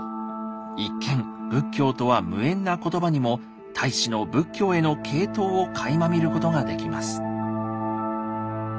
一見仏教とは無縁なことばにも太子の仏教への傾倒をかいま見ることができます。